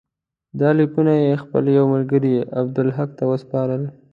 دا لیکونه یې خپل یوه ملګري عبدالحق ته وسپارل.